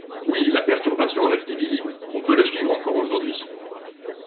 Oui, la perturbation est restée visible, on peut la suivre encore aujourd’hui.